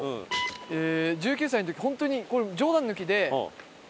１９歳の時ホントに冗談抜きで。